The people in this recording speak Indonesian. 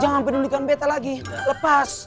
jangan pedulikan beta lagi lepas